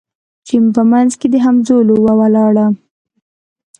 چي په منځ کي د همزولو وه ولاړه